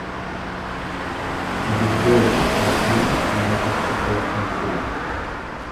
Adurreefi hantuunni mana tokko keessa hin bulan.